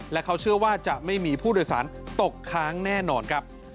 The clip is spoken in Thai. และเขาเชื่อว่าจะไม่มีผู้โดยสารตกค้างแน่นอนครับ